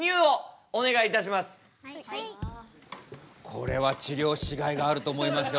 これは治りょうしがいがあると思いますよ